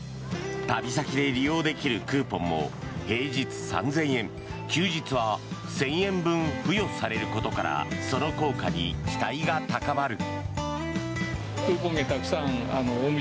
旅先で利用できるクーポンも平日３０００円休日は１０００円分付与されることからその効果に期待が高まる。